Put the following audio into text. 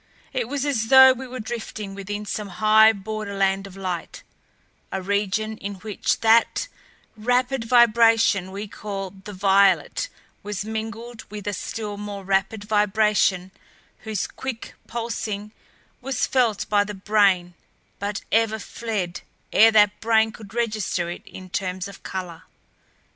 It was as though we were drifting within some high borderland of light; a region in which that rapid vibration we call the violet was mingled with a still more rapid vibration whose quick pulsing was felt by the brain but ever fled ere that brain could register it in terms of color.